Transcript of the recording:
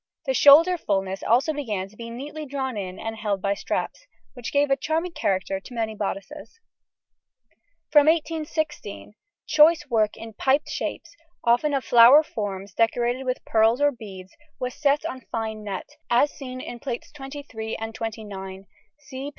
The shoulder fullness also began to be neatly drawn in and held by straps, which gave a charming character to many bodices. From 1816 choice work in piped shapes, often of flower forms decorated with pearls or beads, was set on fine net, as seen in Plates XXIII and XXIX (see pp.